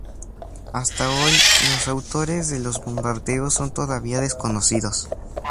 Hasta hoy, los autores de los bombardeos son todavía desconocidos.